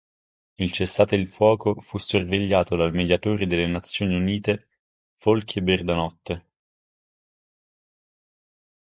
Il cessate-il-fuoco fu sorvegliato dal mediatore delle Nazioni Unite Folke Bernadotte.